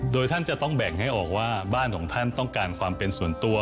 โดยท่านจะต้องแบ่งให้ออกว่าบ้านของท่านต้องการความเป็นส่วนตัว